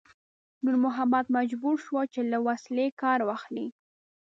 نور محمد مجبور شو چې له وسلې کار واخلي.